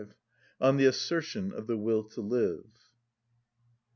(40) On The Assertion Of The Will To Live.